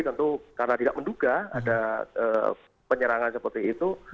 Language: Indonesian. tentu karena tidak menduga ada penyerangan seperti itu